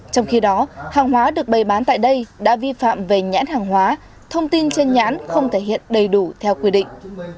trong khi đó hàng hóa được bày bán tại đây đã vi phạm về nhãn hàng hóa thông tin trên nhãn không thể hiện đầy đủ theo quy định